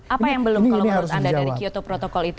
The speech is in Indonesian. apa yang belum kalau menurut anda dari kyoto protokol itu